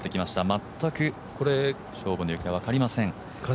全く勝負の行方は分かりません。